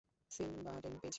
Silvadene, পেয়েছি!